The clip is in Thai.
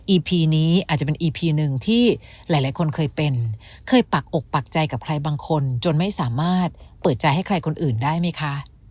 พีนี้อาจจะเป็นอีพีหนึ่งที่หลายคนเคยเป็นเคยปักอกปักใจกับใครบางคนจนไม่สามารถเปิดใจให้ใครคนอื่นได้ไหมคะ